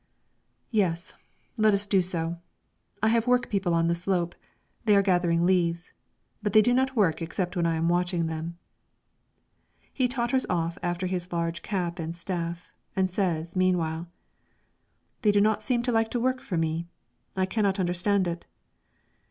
"Yes; let us do so. I have work people on the slope; they are gathering leaves, but they do not work except when I am watching them." He totters off after his large cap and staff, and says, meanwhile, "They do not seem to like to work for me; I cannot understand it."